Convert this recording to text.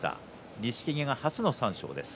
錦木が初の三賞です。